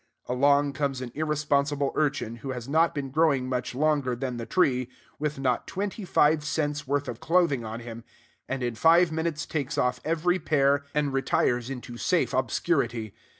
Along comes an irresponsible urchin, who has not been growing much longer than the tree, with not twenty five cents worth of clothing on him, and in five minutes takes off every pear, and retires into safe obscurity.